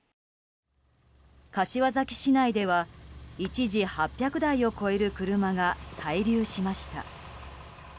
柏崎市内では、一時８００台を超える車が滞留しました。